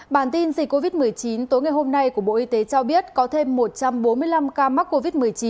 bản tin dịch covid một mươi chín tối ngày hôm nay của bộ y tế cho biết có thêm một trăm bốn mươi năm ca mắc covid một mươi chín